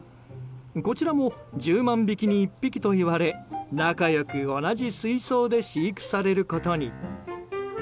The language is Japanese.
こちらも１０万匹に１匹といわれ仲良く同じ水槽で飼育されることに。